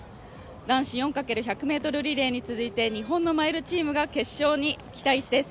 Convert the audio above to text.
男子４×１００ｍリレーに続いて男子マイルリレーに期待です。